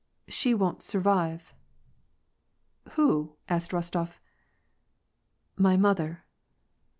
She won't survive." « Who ?'' asked Rostof. " My mother.